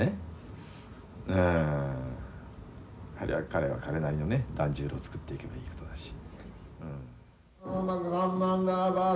彼は彼なりのね團十郎作っていけばいいことだし。